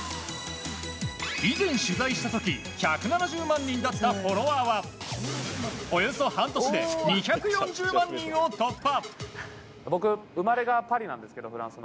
以前、取材した時１７０万人だったフォロワーはおよそ半年で２４０万人を突破。